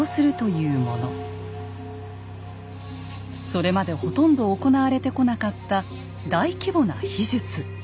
それまでほとんど行われてこなかった大規模な秘術。